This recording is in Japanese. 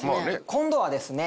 今度はですね